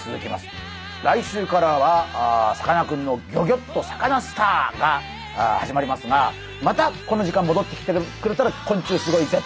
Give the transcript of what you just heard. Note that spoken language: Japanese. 来週からはさかなクンの「ギョギョッとサカナ★スター」が始まりますがまたこの時間もどってきてくれたら「昆虫すごいＺ」。